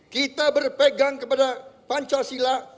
kita berpegang kepada pancasila